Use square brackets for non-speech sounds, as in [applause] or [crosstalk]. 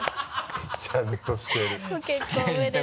ちゃんとしてる [laughs]